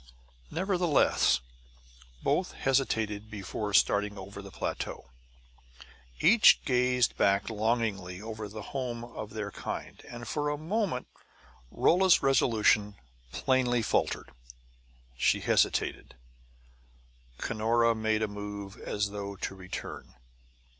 Nevertheless, both hesitated before starting over the plateau. Each gazed back longingly over the home of their kind; and for a moment Holla's resolution plainly faltered. She hesitated; Cunora made a move as though to return.